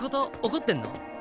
怒ってんの？